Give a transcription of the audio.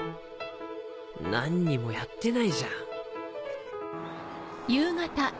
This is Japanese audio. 何にもやってないじゃん。